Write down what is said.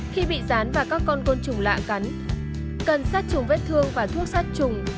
khi bị rán và các con gôn trùng lạ cắn cần sát trùng vết thương và thuốc sát trùng